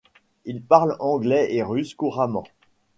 Il parle anglais et russe couramment.